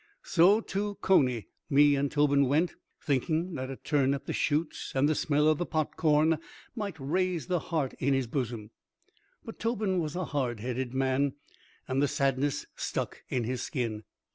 So, to Coney me and Tobin went, thinking that a turn at the chutes and the smell of the popcorn might raise the heart in his bosom. But Tobin was a hardheaded man, and the sadness stuck in his skin.